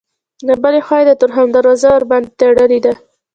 له بلې خوا یې د تورخم دروازه ورباندې تړلې ده.